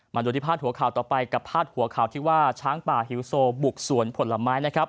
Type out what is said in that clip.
มาดูที่พาดหัวข่าวต่อไปกับพาดหัวข่าวที่ว่าช้างป่าหิวโซบุกสวนผลไม้นะครับ